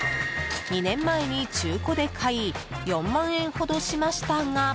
２年前に中古で買い４万円ほどしましたが